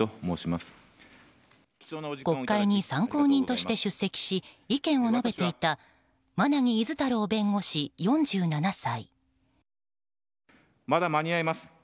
国会に参考人として出席し意見を述べていた馬奈木厳太郎弁護士、４７歳。